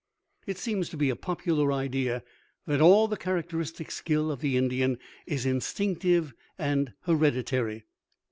It seems to be a popular idea that all the characteristic skill of the Indian is instinctive and hereditary.